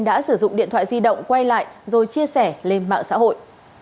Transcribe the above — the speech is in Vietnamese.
đã sử dụng điện thoại di động quay lại rồi chia sẻ lên mạng xã hội